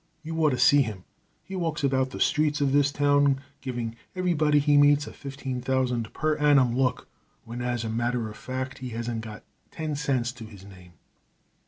You ought to see him. He walks about the streets of this town giving everybody he meets a fifteen thousand per annum look when, as a matter of fact, he hasn't got ten cents to his name.